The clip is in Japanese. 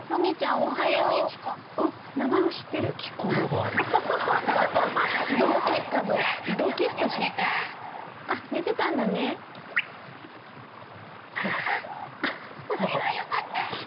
あはは、それはよかった。